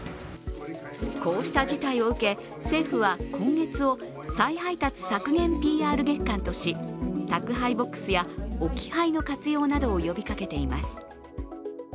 こうした事態を受け、政府は今月を再配達削減ＰＲ月間とし、宅配ボックスや置き配の活用などを呼びかけています。